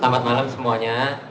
selamat malam semuanya